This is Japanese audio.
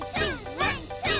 「ワンツー！